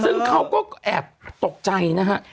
ซึ่งเขาก็แอบตกใจนะฮะ